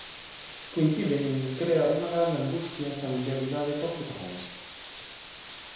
Coinciden en que crea unha grande angustia e familiaridade coa protagonista.